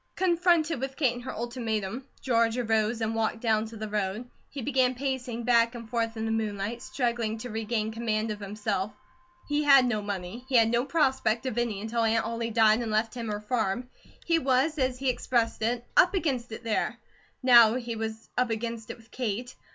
Confronted with Kate and her ultimatum, George arose and walked down to the road; he began pacing back and forth in the moonlight, struggling to regain command of himself. He had no money. He had no prospect of any until Aunt Ollie died and left him her farm. He was, as he expressed it, "up against it" there. Now he was "up against it" with Kate.